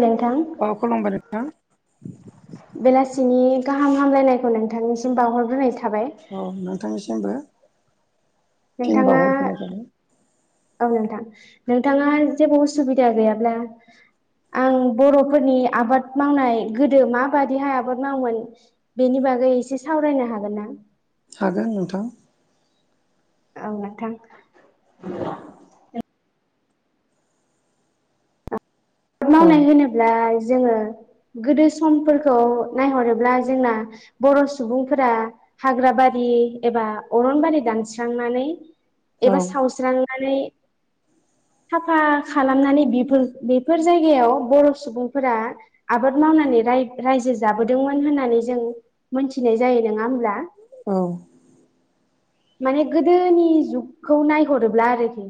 नोंथां अ खुलुमबाय नोंथां बेलासिनि गाहाम हामलायनायखौ नोंथांनिसिम बावहरग्रोनाय था औ नोंथांनि सिमबो नोंथाङा औ नोंथां नोंथाङा जेबो उसुबिदा गैयाब्ला आं बर'फोरनि आबाद मावनाय गोदो माबादिहाय आबाद मावोमोन बेनि बागै एसे सावरायनो हागोन ना? हागोन नोंथां। औ नोंथां [inaudible] आबाद औ मावनाय होनोब्ला जोङो गोदो समफोरखौ नायहरोब्ला जोंना बर' सुबुंफोरा हाग्रा बारि एबा अरनबारि दानस्रांनानै औ एबा सावस्रां नानै साफा खालामनानै बेफोर बे बेफोर जायगायाव बर' सुबुं फोर आबाद मावनानै रायजो जाबोदोंमोन होननानै जों मोनथिनाय जायो नङा होमब्ला? औ माने गोदोनि जुगखौ नायहरोब्ला आरोखि।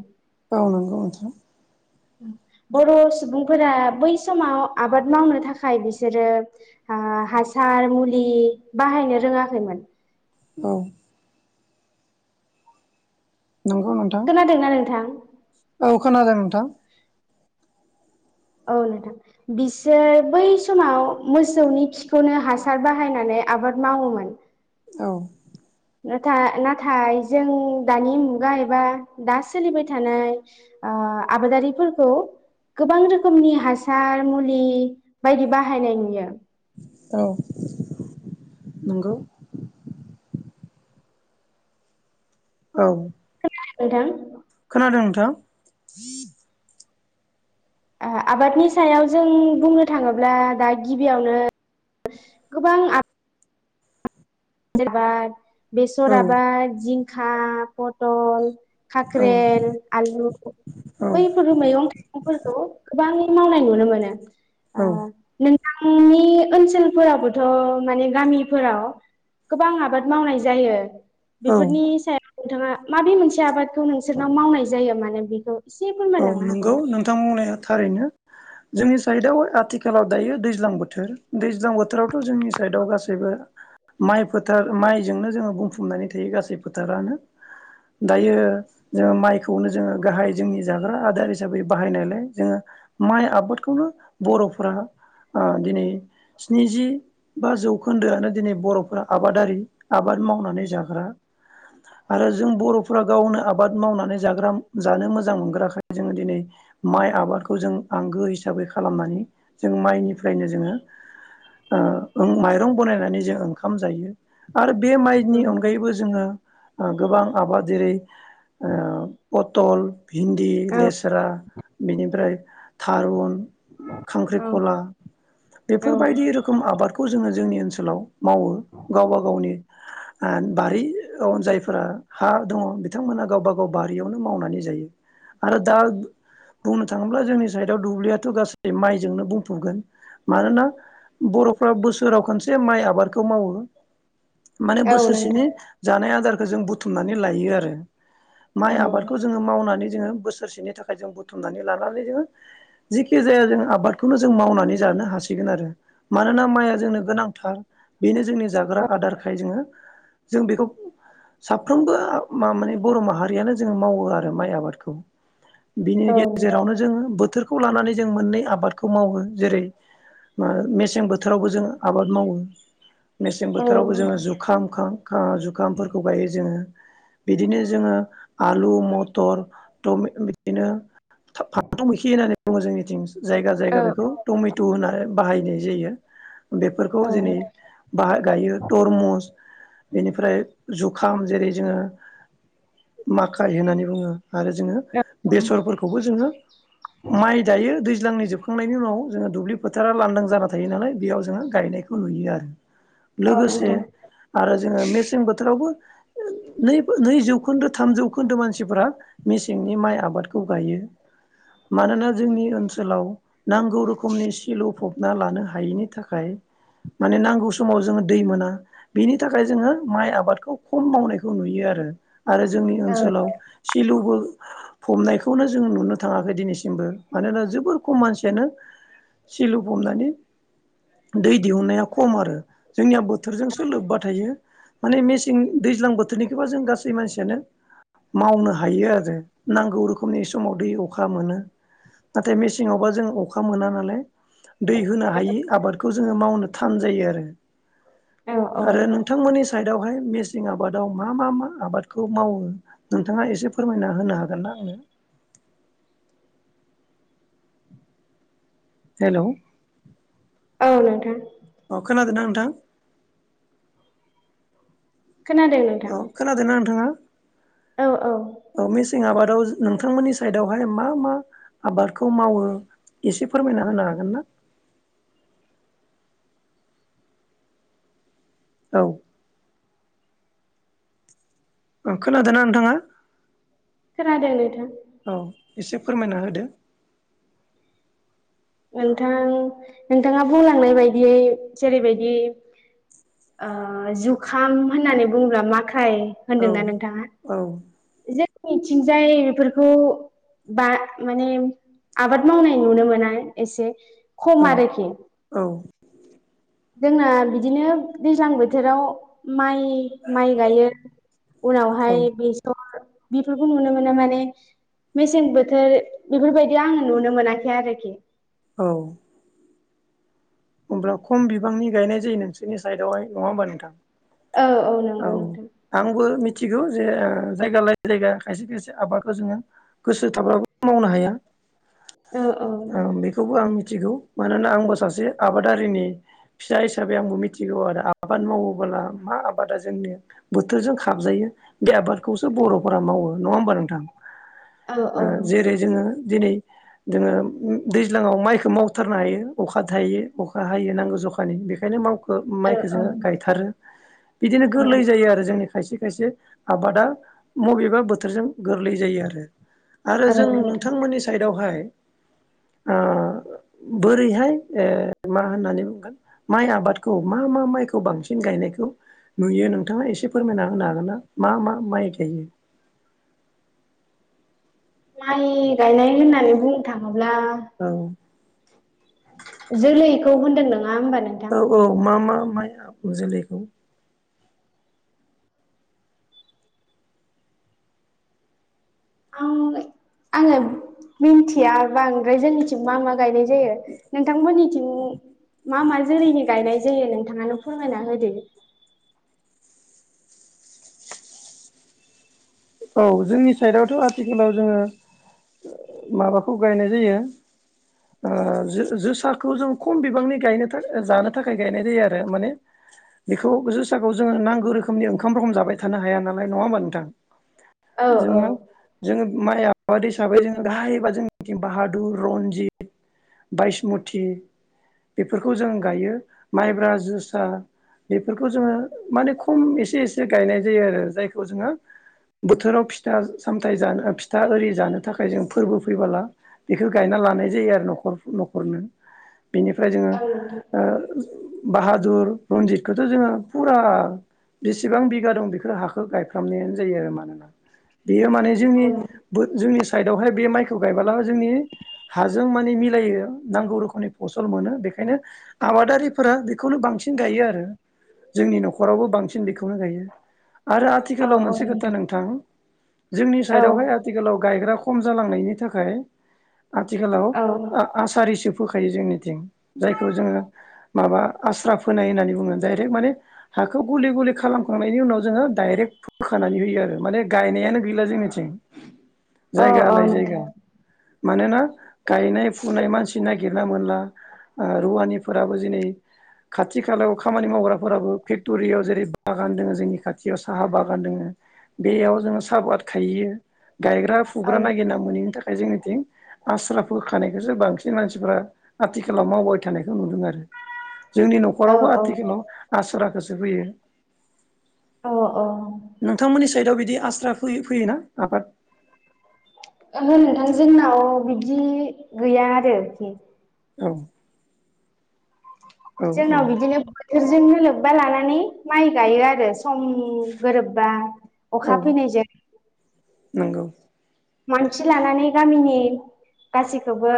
नंगौ नोंथां [inaudible] बर' सुबुंफोरा बै समाव आबाद मावनो थाखाय बिसोरो ओ हासार मुलि बाहायनो रोङाखैमोन। औ नंगौ नोंथां खोनादोंना नोंथां औ खोनादों नोंथां। औ नोंथां बिसोर बै समाव मोसौनि खिखौनो हासार बाहायनानै आबाद मावोमोन। औ नाथाय जों दानि मुगा एबा दा सोलिबाय थानाय ओ आबादारिफोरखौ गोबां रोखोमनि हासार मुलि बायदि बाहायनाय नुयो औ नंगौ औ [unintelligible] नोंथां खोनादों नोंथां? आ आबादनि सायाव जों बुंनो थाङोब्ला दा गिबियावनो गोबां आब [unintelligible] औ बेसराबा जिं हा पटल औ खाख्रेल आलु औ बैफोर मैगं थाइगंफोरखौ गोबां मावनाय नुनो मोनो औ आंनि ओनसोलफोरावबोथ' माने गामिफोराव गोबां आबाद मावनाय जायो। औ बेफोरनि सायाव नोंथाङा माबे मोनसे आबादखौ नोंसोरनाव मावनाय जायो माने बेखौ एसे औ फोरमायलांनो नोंगौ हागोन ना? नोंथां बुंनाया थारैनो जोंनि साइदआव आथिखालाव दायो दैज्लां बोथोर दैज्लां बोथोरावथ' जोंनि साइडआव गासैबो माइ फोथार माइजोंनो जोङो बुंफुमनानै थायो गासै फोथारानो दायो जोङो माइखौनो जोङो गाहाय जोंनि जाग्रा आदार हिसाबै बाहायनायलाय जोङो माइ आबादखौनो बर'फोरा दिनै स्निजि बा जौखोन्दोआनो दिनै बर'फोरा आबादारि आबाद मावनानै जाग्रा आरो जों बर'फोरा गावनो आबाद मावनानै जाग्रा जानो मोज मोजां मोनग्राखै जोङो दिनै माइ आबादखौ जों आंगो हिसाबै खालामनानै जों माइनिफ्रायनो जोङो माइरं बानायनानै जों ओंखाम जायो आरो बे माइनि अनगायैबो जोङो गोबां आबाद जेरै पथल भिन्दि औ लेस्रा बेनिफ्राय थारुन औ खांख्रिखला औ बेफोरबायदि रोखोम आबादखौ जोङो जोंनि ओनसोलाव मावो गावबा गावनि बारि जायफोरा हा दङ बिथांमोना गावबा गाव बारियावनो मावनानै जायो आरो दा बुंनो थाङोब्ला जोंनि साइदआव दुब्लियाथ' गासै माइजोंनो बुंफुगोन मानोना बर'फ्रा बोसोराव खनसे जे माइ आबादखौ मावो माने औ नोंथां बोसोरसेनि जानाय आदार खो जों बुथुमनानै लायो आरो माइ औ आबादखौ जोङो मावनानै जोङो बोसोरसेनि थाखाय जों बुथुमनानै लानानै जोङो जिखि जाया जों आबादखौनो जों मावनानै जानो हासिगोन आरो मानोना माइआ जोंनो गोनांथार बेनो जोंनि जाग्रा आदारखाय जोङो जों बेखौ साफ्रोमबो मा-माने बर' माहारियानो जोङो मावो आरो माइ आबादखौ [inaudible] बिनि औ नोंथां गेजेरावनो जों बोथोरखौ लानानै जों मोननै आबादखौ मावो जेरै मा-मेसें बोथोरावबो जों आबाद मावो मेसें औ बोथोरावबो जोङो नोंथां जुखाम खाम आ जुखामफोरखौ गायो जोङो बिदिनो जोङो आलु मटर [unintelligible] बिदिनो फान्थौ मैखि होननानै बुङो जोंनिथिं जायगा औ जायगा बेखौ टमेट' होनना बाहायनाय जायो। बेफोरखौ औ जेनै बाह गायो थरमुस, बेनिफ्राय जुखाम जेरै जोङो माखाइ होननानै बुङो आरो जोङो बेसरफोरखौबो जोङो माइ जायो दैज्लांनि जोब खांनायनि उनाव जोङो दुब्लि फोथारा लांदां जाना थायो नालाय बेयाव जोङो गायनायखौ नुयो आरो। लोगोसे नोंथां आरो जोङो मेसें बोथोरावबो नैबो नै जौखोन्दो थाम जौखोन्दो मानसिफोरा मेसेंनि माइ आबादखौ गायो। मानोना जोंनि ओनसोलाव नांगौ रोखोमनि सिलु फबना लानो हायिनि थाखाय माने नांगौ समाव जोङो दै मोना बेनि थाखाय जोङो माइ आबादखौ खम मावनायखौ नुयो आरो। आरो जोंनि औ ओनसोलाव सि इलुबो फबनायखौनो जों नुनो थाङाखै दिनैसिमबो। मानोना जोबोर खम मानसियानो सिलुफबनानै दै दिहुननाया खम आरो। जोंनिया बोथोरजोंसो लोब्बा थायो। माने मेसें दैज्लां बोथोरनिखोबा जों गासै मानसियानो मावनो हायो आरो नांगौ रोखोमनि समाव दै अखा मोनो नाथाय मेसेङावबा जों अखा मोना नालाय दै होनो हायि आबाद बेखौ जोङो मावनो थान जायो आरो। औ औ आरो नोंथांमोननि साइड बेवहाय मेसें आबादाव मा मा मा आबादखौ मावो नोंथाङा एसे फोरमायना होनो हागोनना आंनो? हेलौ। औ नोंथां। अ खोनादोना नोंथां? खोनादों नोंथां अ खोनादोना नोंथांआ? औ औ अ मेसें आबाद आव नोंथांमोननि साइदआवहाय मा मा आबादखौ मावो एसे फोरमायना होनो हागोन ना? औ। खोनादोंना नोंथाङा? खोनादों नोंथां। औ एसे फोरमायना होदो। नोंथां नोंथाङा बुंलांनाय बायदियै जेरैबायदि ओ जुखाम होननानै बुङोब्ला मा आखाय औ होनदोंना नोंथाङा। औ [unintelligible] थिंजाय बेफोरखौ बा माने आबाद मावनाय नुनो मोना। एसे खम आरोखि। जोंना बिदिनो दैज्लां बोथोराव माइ माइ गायो। औ उनावहाय बे बेफोरखौ नुनो मोना माने मेसें बोथोर बेफोरबायदि आङो नुनो मोनाखै आरोखि। औ हब्ला खम बिबांनि गायनाय जायो नोंसोरनि साइदआवहाय नङा होमबा नोंथां औ औ नंगौ नोंथां आंबो मिथिगौ जे जायगा लाय जायगा खायसे खायसे आबादखौ जोङो गोसो थाबाबबो मावनो हाया। औ बेखौबो आं मिथि थिगौ मानोना आंबो सासे आबादारिनि फिसा हिसाबै आंबो मिथिगौ आरो आबाद मावोबोला मा आबादा जोंनि बोथोरजों खाबजायो बे आबादखौसो बर'फोरा मावो नंङा होमबा नोंथां औ औ जेरै नोंथां जोङो दिनै जोङो दैज्लाङाव माइखौ मावथारनो हायो अखा थायो अखा हायो नांगौ जखानि बेखायनो माव माइखौ औ औ गायथारो बिदिनो औ गोरलै जायो आरो जोंनि खा खायसे खायसे आबादा बबेबा बोथोरजों गोरलै जायो आरो आरो औ जों नोंथां नोंथांमोननि साइड खौहाय आ बोरैहाय ओ मा होननानै बुंगोन माइ आबादखौ मा मा माइखौ बांसिन गायनायखौ नुयो नोंथाङा एसे फोरमायना होनो हागोन ना? मा मा माइ गायो माइ गायनाय होननानै बुंनो थाङो ब्ला औ जोलैखौ होनदों नङा होनोमबा औ औ मा मा माइ आबु जोलैखौ आं आङो मिथिया बा बांद्राय जोंनिथिं मा मा गायनाय जायो नोंथांमोननिथिं मा मा जोलैनि गायनाय जायो नोंथाङा फोरमायना होदो औ जोंनि साइडआवथ' आथिखालाव जोङो माबाखौ गायनाय जायो ओ जो-जोसाखौ जों खम बिबांनि गायनो जानो थाखाय गायनाय जायो आरो माने बेखौ जोसाखौ जोङो नांगौ रोखोमनि ओंखाम रखम जाबाय थानो हाया नालाय नङा होमबा नोंथां औ जोंङो जोङो माइ आबाद हिसाबै जोङो गाहायबा जोंनिथिं बाहादुर रनजित बायसमथि बेफोरखौ जों गायो माइब्रा जोसा बेफोरखौ जोङो माने खम एसे एसे गायनाय जायो आरो जायखौ जोङो बोथोराव फिथा सामथाय जानो फिथा आरि जानो थाखाय जों फोरबो फैबोला बेखौ गायना लानाय जायो आरो न'खर न'खरनो बिनिफ्राय जोङो औ नोंथां ओ बाहादुर रनजितखौथ' जोङो ओ फुरा बेसेबां बिगा दं बेफोर हाखौ गायफ्रामनायानो जायो आरो माने बेयो माने जोंनि जोंनि साइदावहाय बे माइखौ गायबोला जोंनि हाजों माने मिलायो नांगौ रोखोमनि फसल मोनो बेखायनो आबादारिफोरा बेखौनो बांसिन गायो आरो जोंनि न'खरावबो बांसिन बेखौनो गायो आरो औ आथिखालाव औ मोन से खोथा नोंथां जोंनि औ साइडआवहाय आथिखालाव गायग्रा खम जालांनायनि थाखाय आथिखालाव औ आसारिस फोखायो जोंनिथिं जायखौ जोङो माबा आस्रा फोनाय होननानै बुङो डाइरेक्ट माने हाखौ गुलि गुलि खालामखांनायनि उनाव जोङो डायरेक्ट फोखानानै होयो आरो माने गायनायानो गैला जोंनिथिं। अ जायगा अ लायै नोंथां जायगा मानोना गायनाय फुनाय मानसि नागिरना मोनला ओ रुवानिफोराबो दिनै खाथि खालायाव खामानि मावग्राफोराबो फेक्ट'रियाव जेरै बागान दङ जोंनि खाथियाव साहा बागान दोंङो बेयाव जोङो साहाफाद खायो। गायग्रा औ फुग्रा नागिरना मोनैनि थाखाय जोंनिथिं आस्रा फोखानायखौसो बांसिन मानसिफोरा आथिखालाव मावबाय थानाय खौ नुदों आरो जोंनि औ न'खरावबो औ आथिखालाव आस्रा खौसो बोयो अ नोंथांमोननि साइदआव बिदि आस्रा फै फैयोना आबाद। ओहो नोंथां जोंनाव बिदि गैया आरोखि। औ औ जोंना औ बिदि नो बेफोरजोंनो लोब्बा लानानै माइ गायो आरो। सम गोरोबबा औ अखा फैनायजों नंगौ मानसि लानानै गामिनि गासैखौबो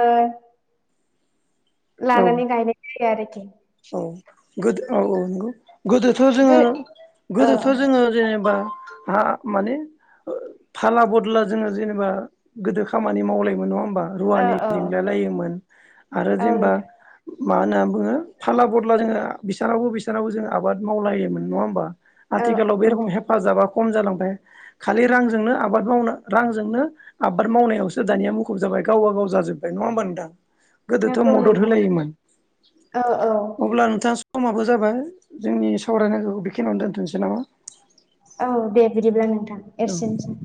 औ लानानै गायनाय जायो आरो। [inaudible] औ गोदो औ औ। गौ गोदोथ' गो जोङो औ गोदोथ' जोङो जेनेबा माने फाला बदला जोङो जेनेबा गोदो खामानि मावलायोमोन नङा होमबा? औ रुवानि औ लिंलाय लायोमोन। आरो औ जेनेबा। नोंथां मा होनना बुङो फाला बदला जोङो बेसनावबो बिसनावबो जोङो आबाद मावलायोमोन नङा होमबा। आथिखालाव बे औ रखम हेफाजाब खम जालांबाय खालि रांजोंनो आबाद मावनो रांजोंनो आबाद मावनायावसो दानिया मुखुब जाबाय गावबा गाव जाजोब्बाय नङा होमबा नोंथां? गोदोथ' नंगौ मदद नोंथां होलायोमोन। औ औ अब्ला नोंथां। समाबो जाबाय जोंनि सावरायनायखौ बेखिनियावनो दोनथ'सै नामा? औ दे बिदिब्ला नोंथा औ एसेनोसै